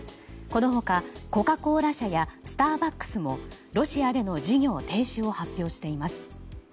この他、コカ・コーラ社やスターバックスもロシアでの事業停止を発表しています。